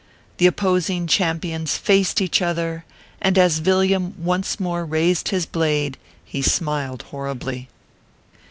The opposing champions faced each other, and as Villiam once more raised his blade he smiled horribly.